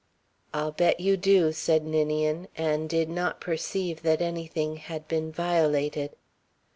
"I'll bet you do," said Ninian, and did not perceive that anything had been violated.